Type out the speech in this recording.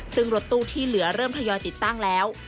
ซึ่งรถตู้ที่เหลือเริ่มทยอยติดตั้งแล้ว